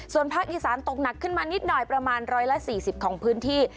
ส่วนภาคอีสานตกหนักขึ้นมานิดหน่อยประมาณ๑๔๐ของพื้นที่